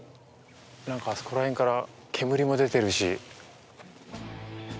なんか、あそこら辺から煙も出ているし。